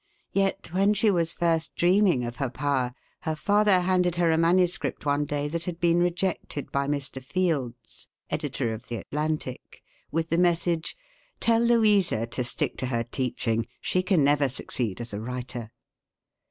Yet, when she was first dreaming of her power, her father handed her a manuscript one day that had been rejected by Mr. Fields, editor of the "Atlantic," with the message: "Tell Louisa to stick to her teaching; she can never succeed as a writer."